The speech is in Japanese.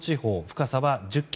深さは１０ｋｍ。